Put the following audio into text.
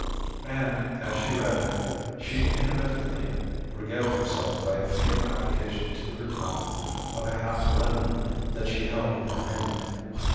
And as she read she intermittently regaled herself by a faint application to her tongue of a half lemon that she held in her hand.